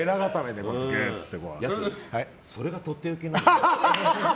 それがとっておきなの？